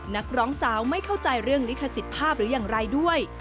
นักร้องสาวไม่เข้าใจเรื่องลิขสิทธิภาพหรืออย่างไรด้วย